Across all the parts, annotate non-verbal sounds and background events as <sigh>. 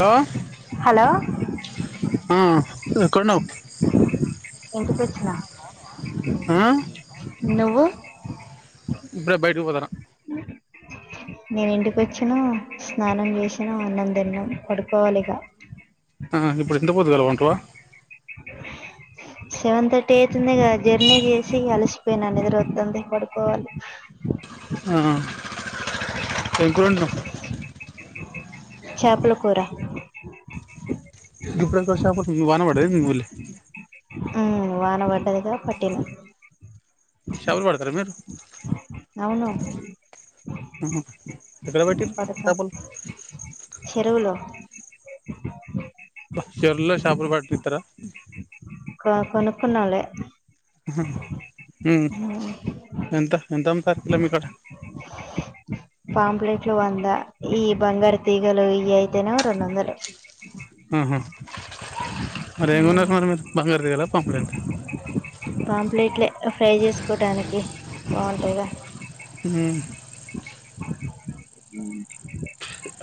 Hello hello ఆ నువ్వు ఎక్కడున్నవ్ ఇంటికొచ్చిన ఆ నువ్వు ఇప్పుడే బయటికీ పోతాన్న నేను ఇంటికి వచ్చినా స్నానం చేసినా అన్నం తిన్నం పడుకోవాలిగా ఆ గిప్పుడు ఇంత పొద్దుగాల పంటవ సెవెన్ థర్టీ అయితుందిగా జర్నీ చేసి అలిసిపోయిన నిద్రోత్తాంది పడుకోవాలి ఆ ఎం కూర ఒండినవ్ చాపల కూర ఇప్పుడు ఎక్కడి శాపాలు వాన పడ్డదా ఏంది మీ ఊళ్లే ఉమ్ వాన పడ్డదిగా పట్టినం శాపలు పడతరా మీరు అవును ఉహు ఏక్కడ పట్టిర్రు పడతాం చాపలు చెరువులో అబ్బా చెర్లో చాపలు పట్టణిత్తరా కొనుకున్నం లే ఎంత ఎంత అమ్ముతారు కిల మీ కాడ పాంప్లెట్లు వంద ఈ బంగారు తీగలు ఇయ్యి అయితేనేమో రెండు వందలు ఆహ మరి ఎం ఉమ్, కొన్నరు మరి మీరు బంగారుతీగలా పాంప్లెంట్లా పాంప్లేట్లే ఫ్రై చేసుకోడానికి బాగుంటయిగా హు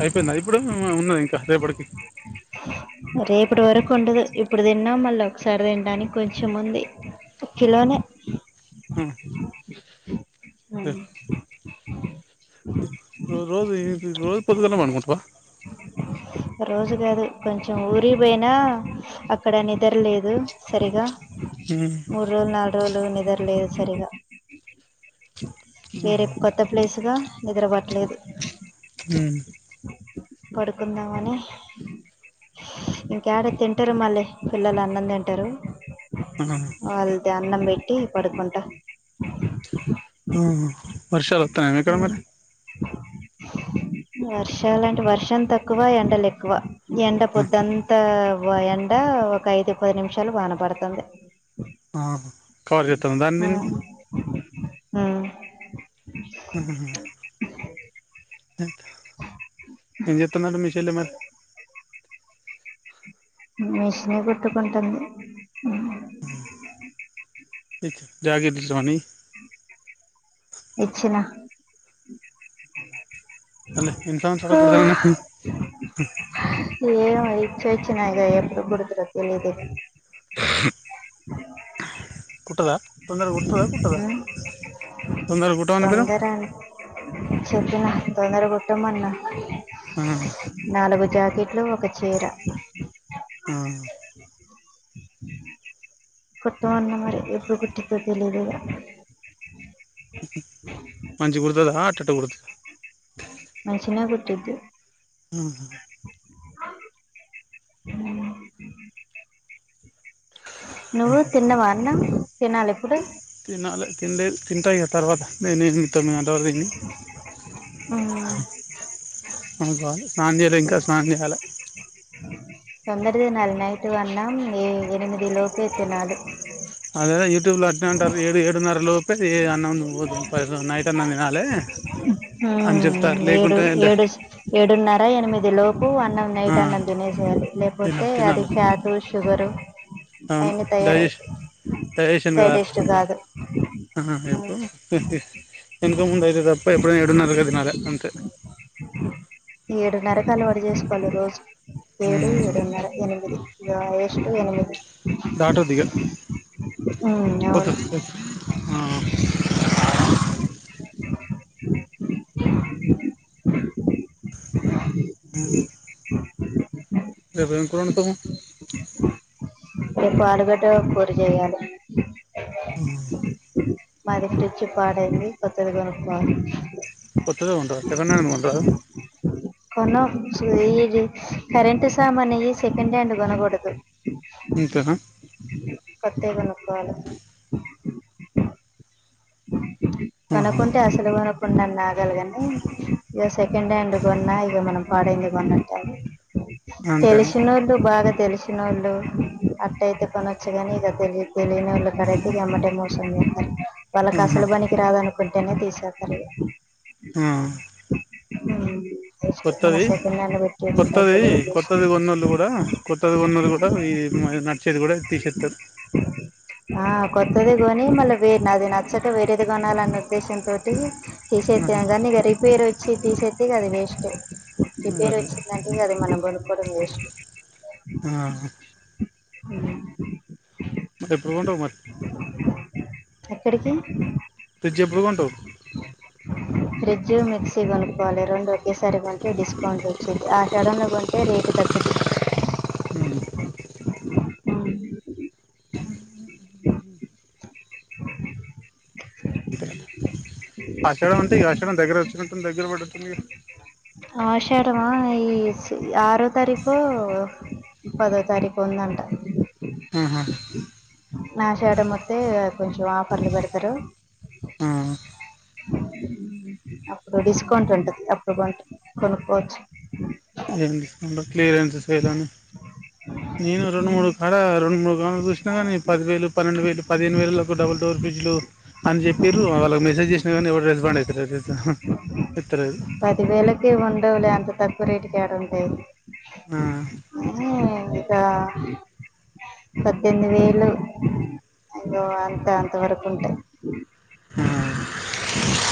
అయిపోయిందా ఇప్పుడు ఉ ఉన్నదా ఇంకా రేపటికి రేపుటి వరకు ఉండదు ఇప్పుడు తిన్నాం మళ్ళీ ఒకసారి తినడానికి కొంచెం ఉంది కిలోనే ఆ నువ్వు రోజు ఇది రోజు పొద్దుగాలనే పండుకుంటవా రోజు కాదు కొంచెం ఊరికి పోయినా అక్కడ నిద్రలేదు సరిగా అ మూడు రోజులు నాలుగు రోజులు నిద్రలేదు సరిగా ఇగ రేపు కొ త్త ప్లేసుగా నిద్ర పట్లేదు ఉ పడుకుందామని ఇంకాడ తింటరు మళ్ళీ పిల్లలు అన్నం తింటరు ఆ వాళ్ళకి అన్నం పెట్టి పడుకుంట ఆ వర్షాలొత్తనయా మీకాడ మరి వర్షాలు అంటే వర్షం తక్కువ ఎండలు ఎక్కువ ఎండ ఆ పొద్దంత ఎండ ఒక ఐదు పది నిమిషాలు వాన పడుతుంది ఆ కవర్ చెత్తాంద దాన్ని దీన్ని ఉ <inaudible> ఏం చేస్తున్నారు మీ చెల్లి మరి మిషనే కుట్టుకుంటుంది. జాకెట్లు స్వామి ఇచ్చిన అ యూనిఫామ్స్ కుడుతున్నా. ఏమో ఇచొచ్చిన ఇగ ఎప్పుడు కుడ్తాదో తెలియదు <inaudible> కుుట్టదా తొందరగా కుట్టుతాదా కుట్టదా ఉమ్ తొందర కుట్టమను అక్కడ సరే చెప్పిన తొందర కుట్టమన్నా <inaudible> నాలుగు జాకెట్లు ఒక చీర మ్ కొత్త వాళ్ళకి మరి ఎప్పుడు కుట్టిద్దో తెలియదు. మంచిగా కుడుతాదా, అట్టట కుడుతాదా? మంచిగనే కుట్టుది <inaudible> ఆ నువ్వు తిన్నవా అన్న? తినాలి ఇప్పుడు. తినాలి. తిన్లే తింట ఇగ తర్వాత తొమ్మిది గంటల వరకు తిని ఉమ్ వస్తా స్నానం చేయలే ఇంకా స్నానం చేయలి. తొందర తినాలి నైట్ అన్నం ఏడు, ఎనిమిది లోపే తినాలి. అదే యూట్యూబ్ లో అట్ న్నే అంటారు ఏడు ఏడున్నర లోపే అన్నం నైట్ అన్నం తినాలె. హా ఏడు ఏడు ఏడున్నార ఎనిమిది లోపు అన్నం ఆ నైట్ అన్నం తినేసేయాలి తిన లేకపోతే అది తినాలి ఫ్యాట్ షుగరు అవన్నీ తయారవుతాయి. రేషన్ కాదు కదా ఉమ్, ఎప్పుడు వెనకముందు అయితే తప్ప ఎప్పుడు ఏడున్నర కది మా లెక్క అంతే ఏడున్నర కి అలువాటు చేసుకోవాలి రోజు ఏడు ఏడున్నర ఎనిమిది. రమేష్ కు ఎనిమిది దాటొద్దు ఇగ ఉ అవును పొద్దు <inaudible> ఆ <inaudible> ఆ <inaudible> రేపేం కూర వండుతావ్ రేపు ఆలుగడ్డ కూర చేయాలి. ఊ <inaudible> మాది మిక్సీ పాడైంది కొత్తది కొనుక్కోవాలి. కొత్తది కొంటారా సెకండ్ హ్యాండ్ కొనరా? <inaudible> కోనం ఇది కరెంట్ సామాన్లు సెకండ్ హ్యాండ్ కొనకూడదు. ఇంతేనా కొత్తవి కొనుక్కోవాలి ఆహా కొనకుంటే అసలే కొనకు కుండన్ ఆగాలి గాని, ఇక సెకండ్ హ్యాండ్ కొన్నా ఇక మనం పాడైంది కొన్నట్టే. <inaudible> అంతేనా తెలిసినోళ్ళు బాగా తెలిసినోళ్ళు, అట్టయితే కొనొచ్చుగానీ ఇక తెలిదు తెలీనొల్లకాడతే ఇగ ఎమ్మటే మోసం చేస్తరు. వాళ్ళకు ఆహా అసలు పని కి రాదనుకుంటేనే తీసెత్తారు ఇగ. ఆ మ్ మొన్న కొత్తది సెకండ్ హ్యాండ్ కొత్తది కొత్తది కొన్నోళ్లు కూడా, కొత్తది కొన్నోళ్లు కూడా, ఈ నడిచేది కూడ తీసేస్తారు. ఆ కొత్తది కొనీ మళ్ళ వేరు నాది నా నచ్చక వేరేది కొనాలన్న ఉద్దేశం తోటి, తీసేత్తే ఏమో కానీ ఇక రిపేర్ ఒచ్ చ్చి తీసేస్తే ఇగ అది వేస్టే. రిపేర్ మరి వచ్చిందంటే, ఇగ అది మనం కొనుక్కోవడం వేస్ట్. హ్మ్ మరి ఎప్పుడు కొంటావు మరి? ఎక్కడికి ఫ్రిడ్జ్ ఎప్పుడు కొంటావ్? ఫ్రిడ్జ్, మిక్సీ కొనుక్కోవాలి రెండు ఒకేసారి కొంటే డిస్కౌంట్ వచ్చిద్ది. ఆషాఢం లో కొంటే రేటు తగ్గుద్ది. మ్ <inaudible> ఆషాఢం అంటే, ఈ ఆషాఢం దగ్గర వచ్చినట్టు ఉంది దగ్గర పడ్డట్టుంది గా, ఆషాడమా ఈ ఆరో తారీకో, పదో తారీకో ఉందంట. ఆహ ఆషాఢమోత్తె కొంచెం ఆఫర్లు పెడతారు. ఆ మ్ అప్పుడు డిస్కౌంట్ ఉంటది. అప్పుడు కాంటే కొనుక్కోచ్చు ఏం డిస్కౌంట్ క్లియరెన్స్ సేల్ అని, నేను రొండు మూడు కాడ రొండు మూడు వాములు చూసినా గానీ, పదివేలు, పన్నెండు వేలు, పదిహేను వేలకు డబుల్ డోర్ ఫ్రిడ్జ్ లు అని చెప్పిర్రు వాళ్ళకి మెసేజ్ చేసినా కానీ, ఎవడు రెస్పాండ్ అయితలేదు తెలుసా! ఎత్తలేదు పది వేలకి ఏం ఉండవులే అంత తక్కువ రేటు కి యాడుంటాయి? ఆ మ్ ఇంకా పద్దెనిమిది వేలు అంత, అంత వరకు ఉంటాయి. ఆ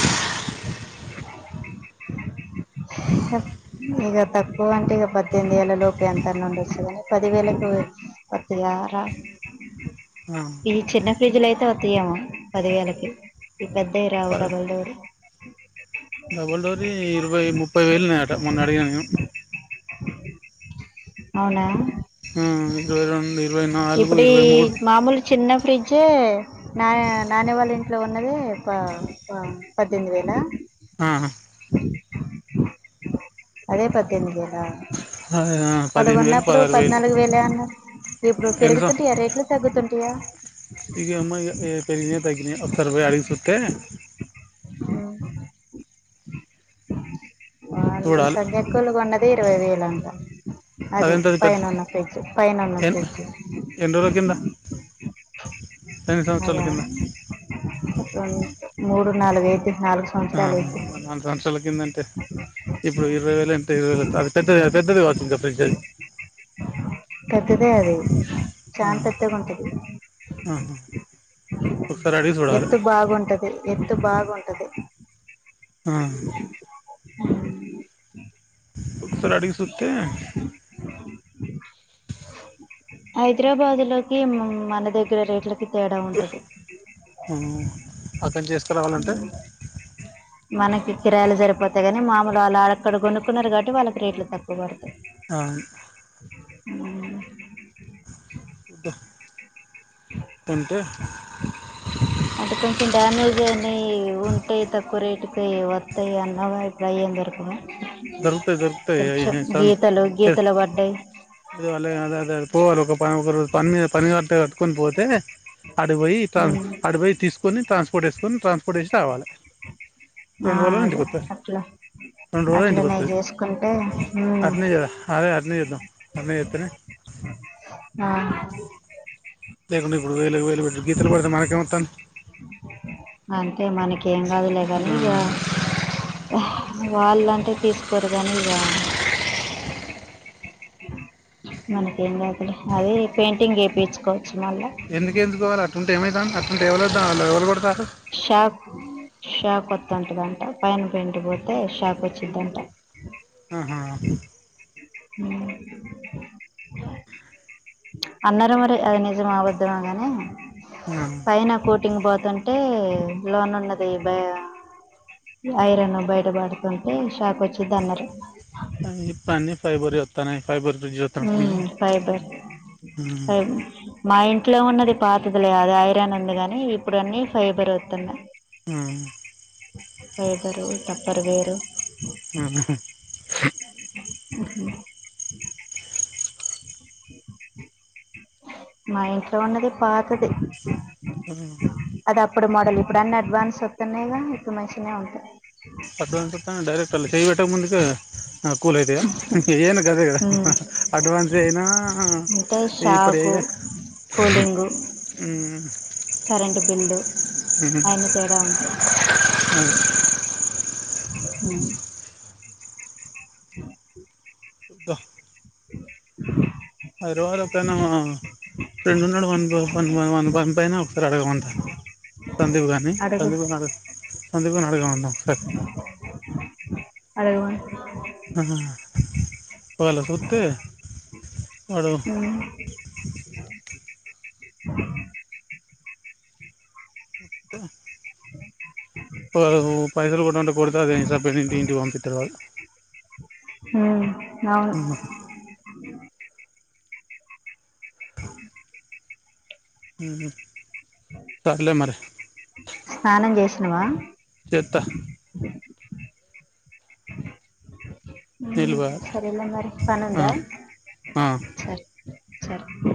హ ఇక తక్కువ అంటే, ఇక పద్దెనిమిది వేల లోపే ఎంతన్న ఉండొచ్చు కాని, పదివేలకు ఒత్తిగా రాదు ఆ ఈ చిన్న ఫ్రిడ్జ్ లయితే వత్తయేమో పది వేలకి. ఈ పెద్దవి రావు డబల్ డోర్ వి. డబుల్ డోర్ యి ఇరవై ముప్పై వేలు ఉన్నాయట మొన్న అడిగినా నేను అవునా ఆ ఇరవై రెండు, ఇరవై నాలుగు, ఇప్పుడు ఈ ఇరవై మూడు మామూలు చిన్న ఫ్రిడ్జ్ ఏ నా నానీ వాళ్ళ ఇంట్లో ఉన్నదే ప ప పద్దెనిమిది వేల? ఆ అదే పద్దేమ్మిది వేల్ ఆ వాళ్ళు పదిహేను వేలు కొన్నప్పుడు పదహారు వేలు పద్నాలుగు వేలే అన్నారు. ఇప్పుడు ఎన్ని సం పెరుగుతుంటాయా రేట్లు తగ్గుతుంటాయా ఇగ ఏమో ఇగ పెరిగినయో తగ్గినయో ఒకసారి పోయి అడిగి చూస్తే ఆ అళ చూడాలి సంధ్య అక్కులు కొన్నది ఇరవై వేల అంటా అది అదెంతది పెద్ద పైనున్న ఫ్రిడ్జ్ పైన ఉన్న ఎన్ ఫ్రిడ్జ్ ఎన్ని రోజుల ఎన్ని సంవత్సరాల అదా కింద మూడు నాలుగు ఐదు నాలుగు ఆ సంవత్సరాలు అయిద్ది నాలుగు సంవత్సరాల కిందంటే ఇప్పుడు ఇరవై వేలంట ఇరవ వేల అది పెద్దది పెద్దదివచ్చుంకా ఫ్రిడ్జ్ అది పెద్దదే అది చానా పెద్దగా ఉంటది ఉమ్ హ ఒకసారి అడిగి చూడవా ఎత్తు బాగుంటది ఎత్తు బాగుంటది ఆ ఆ ఒకసారి అడిగి సుత్తే హైదరాబాదు లోకి మన దగ్గర రేట్లకి తేడా ఉంటది ఆ అక్కడా నుంచి ఏస్ హ్ మనకి కిరాయిలు సరిపోతయి కాగానీ మాముూలు వాళ్ళుడక్కడ కొనుక్కున్నారు కాబటి వాళ్ళకి రేట్లు తక్కువ పడతాయి అవును ఇద్ద కొంటే అంటే కొంచెం డ్యామేజ్ అయినాయి ఉంటాయి తక్కువ రేటుకి వస్తాయి అన్నవుగ దొరుకుతాయి దొరుకుతాయి ఏ- కొంచెం ఏ సన్ గీతలు ఏ- గీతల పడ్డాయి పోవాలి ఒకరోజు పనిమీద పని కట్టుకొని పోతే ఆడికి పోయి అడు పోయి తీసుకొని ట్రాన్స్పోర్ట్ వేసుకుని ట్రాన్స్పోర్ట్ వేసి రావాలి ఆ రెండు రోజులు అదే ఇంటికి వస్తారు అట్లా రెండు రోజులు ఇంటికి అట్లనే వస్తుంది చేసుకుంటే ఉమ్ అట్నే చేద అదే అట్ననే చేద్దాం అట్లనే చెతనే ఆ లేకుండా ఇప్పుడు వేలు వేలు పెట్టి గీతలు పడితే మనకేం అతాంది అంతే మనకేం కాదులేగాని ఇగ వాళ్ళంటే తీసుకోరు కాని ఇక మనకేం కాదులే అది పెయింటింగ్ చేయించుకోవచ్చు మళ్ళా ఎందుకు ఏపిచ్చుకోవాలి అట్లా ఉంటే ఏమైతాంది అట్లా ఉంటే ఎవలద్దా ఎవలు కొడతాల్లు షాక్ షాక్ వస్తుంటుందంట పైన పెయింట్ కొడితే షాక్ వచ్చిందంట ఆహా హ్మ్మ్ అన్నరు మరి అది నిజమో అబద్ధమో గాని ఆ పైన కోటింగ్ పోతుం టే లోన ఉన్నది బ ఐరన్ బయట పడుతుంటే షాక్ వచ్చిద్ది అన్నారు ఇప్పుడు అన్ని ఫైబర్ ఏ అత్తన్నై ఫైబర్ ఫ్రిడ్జ్ ఉమ్ ఫైబర్ ఫైబ మా ఇంట్లో ఉన్నది పాతది లే అది ఐరాన్ ఉంది కాగాని ఇప్పుడు అన్నీ ఫైబర్ వతున్నాయి ఆ ఫైబరు టప్పర్వేరు ఉహు ఉహు మా ఇంట్లో ఉన్నది పాతది ఉ అది అప్పుడు మోడల్ ఇప్పుడు అన్ని అడ్వాన్స్ ఒత్తున్నై గా ఇప్పుడు మంచిగనే ఉంటాయి అడ్వాన్స్ ఒత్తున్నై డైరక్ట్ అల్ల చేయి పెట్టక ముందుకే కూల్ అయితయా ఏవైనా గదే గా ఉమ్. అడ్వాన్స్ అయినా అంటే ఇప్పుడు షాకు ఏ ఉ కరెంట్ బిల్లు అయన్ని తేడా ఉంటయి అది అ అ ఇంకా హైదరాబాద్ల ఒక్కణ్ణే ఫ్రెండు ఉన్నడు వాన్ని తో వాన్ని పంపైన ఒకసారి అడగమంట సందీప్గాన్ని అడుగు సందీప్ గాడు సందీప్గాన్ని అడగమంట ఒకసారి అడగమను ఆ ఒకవేళ సూత్తే వాడు ఉమ్, త్త పైసలు కొట్టమంటే కొడితే అదే సెపరేటుగా ఇంటికి పంపిత్తడు వాడు ఉమ్, అవును ఆ ఉ సర్లే మరి స్నానం చేసినవా చెత్తా ఉమ్, నీళ్ళు పోయాలి సరేలే మరి ఆ పనుందా ఆ సరే సరే